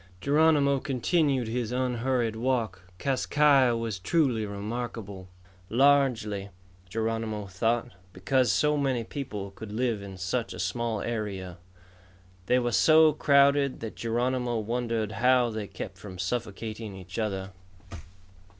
Geronimo continued his unhurried walk. Kas Kai Ya was truly remarkable, largely, Geronimo thought, because so many people could live in such a small area. They were so crowded that Geronimo wondered how they kept from suffocating each other.